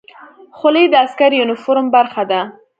خولۍ د عسکري یونیفورم برخه ده.